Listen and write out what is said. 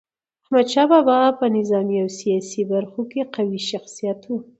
احمد شاه بابا په نظامي او سیاسي برخو کي قوي شخصیت و.